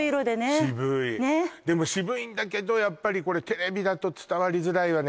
渋いでも渋いんだけどやっぱりこれテレビだと伝わりづらいわね